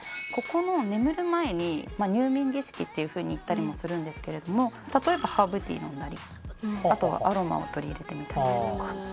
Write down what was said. ここの眠る前に入眠儀式っていう風に言ったりもするんですけれども例えばハーブティー飲んだりあとはアロマを取り入れてみたりですとか。